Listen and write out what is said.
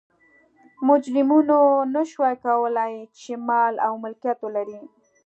مجرمینو نه شوای کولای چې مال او ملکیت ولري.